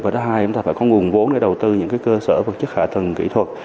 và thứ hai chúng ta phải có nguồn vốn để đầu tư những cơ sở vật chất hạ tầng kỹ thuật